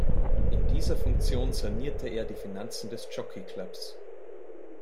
In dieser Funktion sanierte er die Finanzen des Jockey-Clubs.